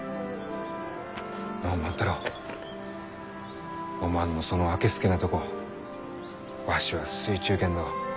のう万太郎おまんのそのあけすけなとこわしは好いちゅうけんど